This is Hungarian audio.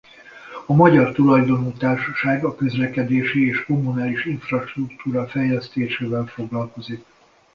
A magyar tulajdonú társaság a közlekedési és kommunális infrastruktúra fejlesztésével foglalkozik.